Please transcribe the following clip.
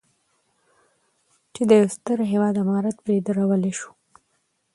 چې د یو ستر هېواد عمارت پرې درولی شو.